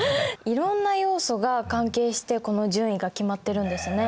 いろんな要素が関係してこの順位が決まってるんですね。